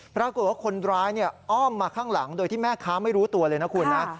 ปรากฏว่าคนร้ายอ้อมมาข้างหลังโดยที่แม่ค้าไม่รู้ตัวเลยนะคุณนะ